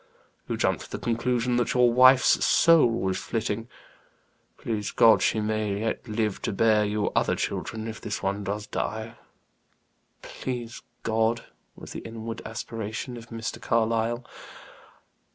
"You jumped to the conclusion that your wife's soul was flitting. Please God, she may yet live to bear you other children, if this one does die." "Please God!" was the inward aspiration of Mr. Carlyle.